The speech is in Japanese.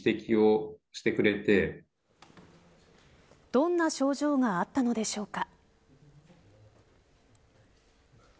どんな症状があったのでしょうか。